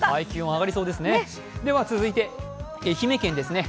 上がりそうですね。